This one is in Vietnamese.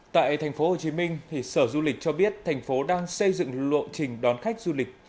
tại tp hcm sở du lịch cho biết thành phố đang xây dựng lộ trình đón khách du lịch